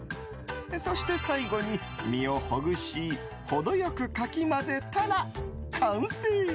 そして最後に身をほぐし程良くかき混ぜたら完成！